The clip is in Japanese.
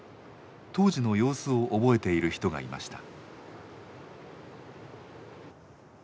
当時の様子を覚えている人がいました。